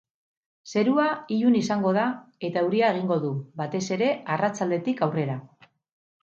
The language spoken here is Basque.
Zerua ilun izango da eta euria egingo du, batez ere arratsaldetik aurrera.